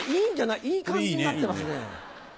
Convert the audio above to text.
いい感じになってますね。